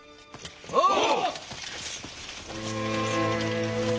おう！